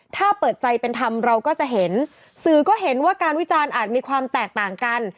ถ้าเปิดใจเป็นธรรมเราก็จะเห็นสื่อก็เห็นว่าการวิจารณ์อาจมีความแตกต่างกัน